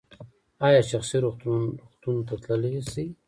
ایا شخصي روغتون ته تللی شئ؟